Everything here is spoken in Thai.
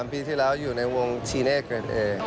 ปีที่แล้วอยู่ในวงชีเน่เกินเอ